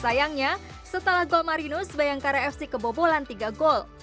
sayangnya setelah gol marino sebayangkara fc kebobolan tiga gol